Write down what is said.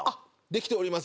できております。